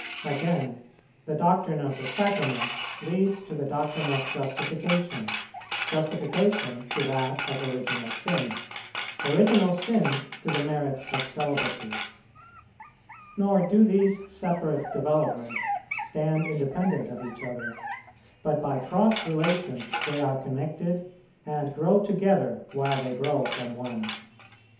Again, the doctrine of the Sacraments leads to the doctrine of Justification; Justification to that of Original Sin; Original Sin to the merit of Celibacy. Nor do these separate developments stand independent of each other, but by cross relations they are connected, and grow together while they grow from one.